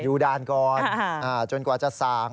อยู่ด้านก่อนจนกว่าจะสาง